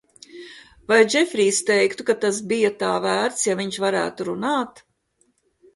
Vai Džefrīss teiktu, ka tas bija tā vērts, ja viņš varētu runāt?